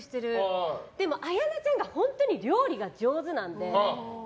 でも、綾菜ちゃんが本当に料理が上手なんで。